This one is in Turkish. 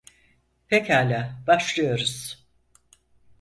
Pekâlâ, başlıyoruz.